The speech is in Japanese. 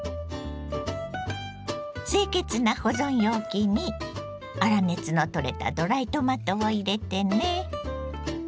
清潔な保存容器に粗熱の取れたドライトマトを入れてね。